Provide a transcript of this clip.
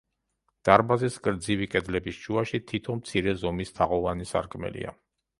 დარბაზის გრძივი კედლების შუაში თითო მცირე ზომის თაღოვანი სარკმელია.